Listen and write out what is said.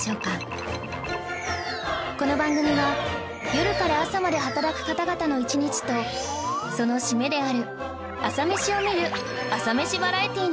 この番組は夜から朝まで働く方々の一日とその締めである朝メシを見る朝メシバラエティなのです